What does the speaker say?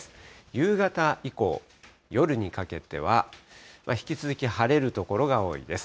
夕方以降、夜にかけては、引き続き晴れる所が多いです。